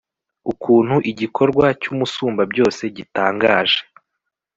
ukuntu igikorwa cy'umusumbabyose gitangaje